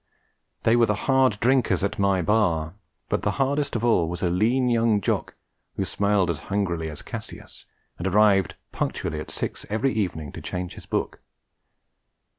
They were the hard drinkers at my bar; but the hardest of all was a lean young Jock, who smiled as hungrily as Cassius, and arrived punctually at six every evening to change his book.